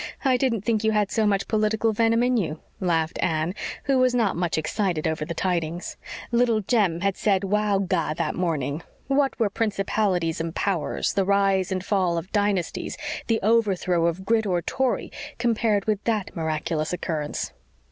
I didn't think you had so much political venom in you," laughed Anne, who was not much excited over the tidings. Little Jem had said "Wow ga" that morning. What were principalities and powers, the rise and fall of dynasties, the overthrow of Grit or Tory, compared with that miraculous occurrence?